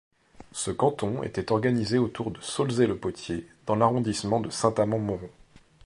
Ce canton était organisé autour de Saulzais-le-Potier dans l'arrondissement de Saint-Amand-Montrond.